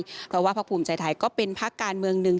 เพราะว่าภาคภูมิใจไทยก็เป็นพักการเมืองหนึ่ง